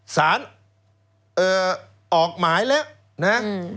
สารออกหมายแล้วนะ